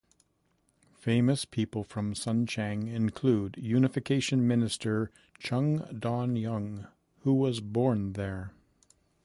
Famous people from Sunchang include Unification Minister Chung Dong-young, who was born there.